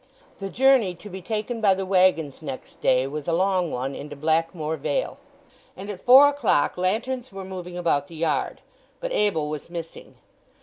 The journey to be taken by the waggons next day was a long one into Blackmoor Vale, and at four o'clock lanterns were moving about the yard. But Abel was missing.